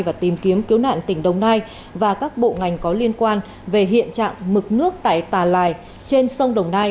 và tìm kiếm cứu nạn tỉnh đồng nai và các bộ ngành có liên quan về hiện trạng mực nước tại tà lài trên sông đồng nai